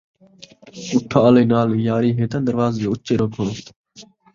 اُٹھاں آلاں نال یاری ہے تاں دروازے اُچے رکھو